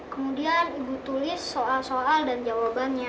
kemudian ibu tulis soal soal dan jawabannya